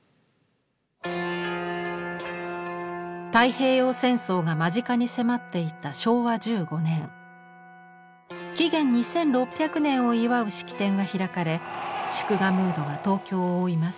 太平洋戦争が間近に迫っていた昭和１５年紀元２６００年を祝う式典が開かれ祝賀ムードが東京を覆います。